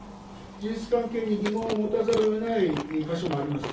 事実関係に疑問を持たざるをえない箇所もあります。